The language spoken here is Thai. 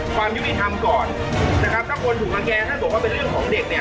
ความยุติธรรมก่อนนะครับถ้าคนถูกรังแก่ท่านบอกว่าเป็นเรื่องของเด็กเนี่ย